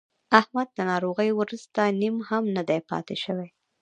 احمد له ناروغۍ ورسته نیم هم نه دی پاتې شوی.